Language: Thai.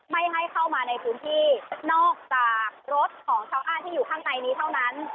ไม่ให้เข้ามาในพื้นที่นอกจากรถของชาวบ้านที่อยู่ข้างในนี้เท่านั้น